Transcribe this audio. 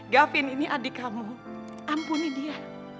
gavin ini adik kamu ampuni dia